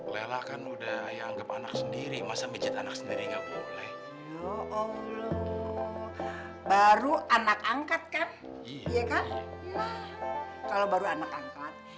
lela kan udah yang ke mana sendiri masa pijit anak sendiri enggak boleh baru anak angkatkan iya kan kalau baru anak angkat